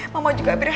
mama juga berhati